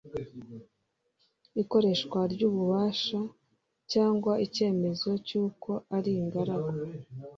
ikoreshwa ry ububasha cyangwa icyemezo cy uko ari ingaragu